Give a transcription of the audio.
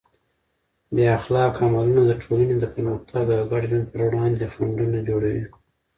بې اخلاقه عملونه د ټولنې د پرمختګ او ګډ ژوند پر وړاندې خنډونه جوړوي.